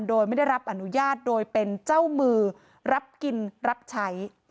โดยไม่ได้รับอนุญาตโดยเป็นเจ้ามือรับกินรับใช้